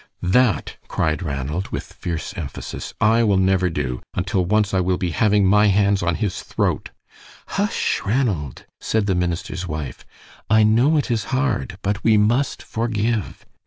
"That," cried Ranald, with fierce emphasis, "I will never do, until once I will be having my hands on his throat." "Hush, Ranald!" said the minister's wife. "I know it is hard, but we must forgive.